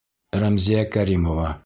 Рәмзиә КӘРИМОВА